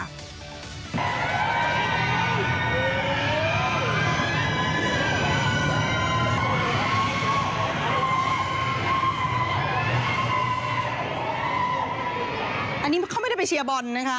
อันนี้เขาไม่ได้ไปเชียร์บอลนะคะ